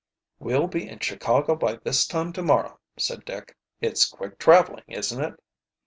"We'll be in Chicago by this time to morrow," said Dick. "It's quick traveling, isn't it?"